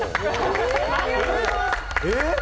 ありがとうございます！え！？